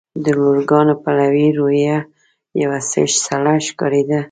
د لوکارنو پلوي رویه یو څه سړه ښکارېده.